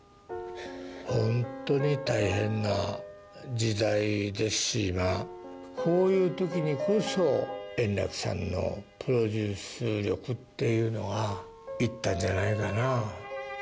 本当に大変な時代ですし、今、こういうときにこそ、円楽さんのプロデュース力っていうのがいったんじゃないかな。